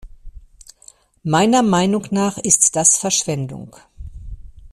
Meiner Meinung nach ist das Verschwendung.